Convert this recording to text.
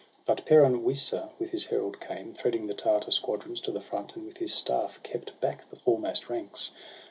But Peran Wisa with his herald came Threading the Tartar squadrons to the front. And with his staff kept back the foremost ranks.